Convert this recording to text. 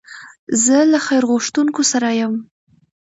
زه له خیر غوښتونکو سره یم.